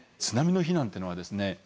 津波の避難というのはですね